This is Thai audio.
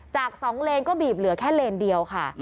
จาก๒เลนก็บีบเหลือแค่เลนเดียวค่ะ